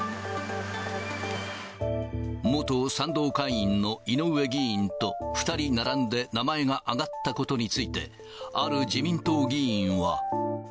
元賛同会員の井上議員と、２人並んで名前が挙がったことについて、ある自民党議員は。